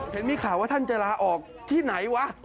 เห็นมีข่าวว่าท่านจะลาออกที่ไหนวะ